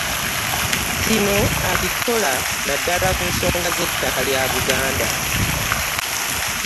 Kino akikola nnaddala ku nsonga z'ettaka lya Buganda